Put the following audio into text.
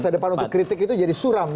masa depan untuk kritik itu jadi suram